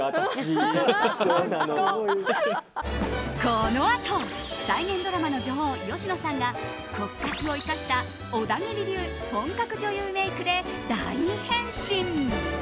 このあと、再現ドラマの女王芳野さんが骨格を生かした小田切流本格女優メイクで大変身。